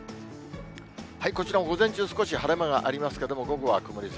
こちらも午前中、少し晴れ間がありますけども、でも午後は曇り空。